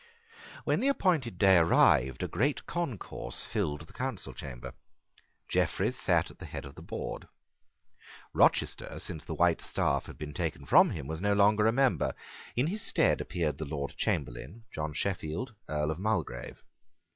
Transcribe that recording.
When the appointed day arrived, a great concourse filled the Council chamber. Jeffreys sate at the head of the board. Rochester, since the white staff had been taken from him, was no longer a member. In his stead appeared the Lord Chamberlain, John Sheffield, Earl of Mulgrave.